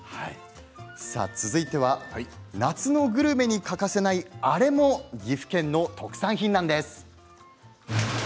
続いては夏のグルメに欠かせないあれも岐阜県の特産品なんです。